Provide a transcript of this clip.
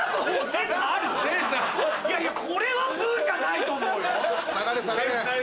いやいやこれはブじゃないと思うよ。